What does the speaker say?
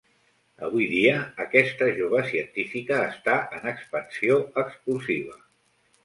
Avui dia aquesta jove científica està en expansió explosiva.